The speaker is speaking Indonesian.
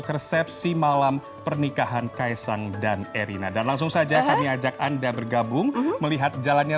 resepsi malam pernikahan kaisang erina akan kembali usai jeda bersama rekan kami taufik iman syah dan juga astrid fiar